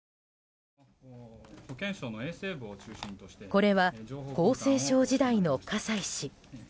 これは厚生省時代の葛西氏。